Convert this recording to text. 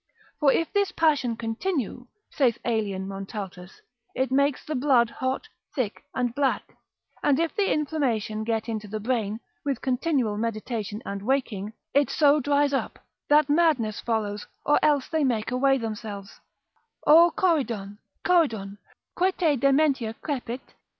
For if this passion continue, saith Aelian Montaltus, it makes the blood hot, thick, and black; and if the inflammation get into the brain, with continual meditation and waking, it so dries it up, that madness follows, or else they make away themselves, O Corydon, Corydon, quae te dementia cepit?